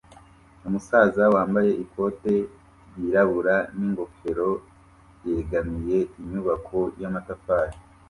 Umusaza wambaye ikote ryirabura n'ingofero yegamiye inyubako y'amatafari